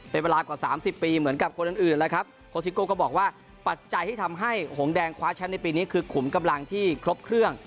เป็นเวลากว่าสามสิบปีเหมือนกับคนอื่นอื่นแล้วครับโคสิโก้ก็บอกว่าปัจจัยที่ทำให้หงแดงคว้าแชมป์ในปีนี้คือขุมกำลังที่ครบเครื่อง